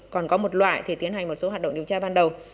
còn có một loại thì tiến hành một số hoạt động điều tra ban đầu